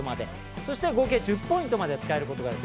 そして合計１０ポイントまで使えることができると。